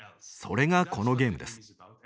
それがこのゲームです。